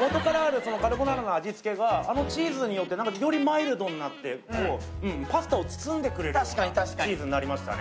もとからあるカルボナーラの味付けがあのチーズによって何かよりマイルドになってパスタを包んでくれるようなチーズになりましたね。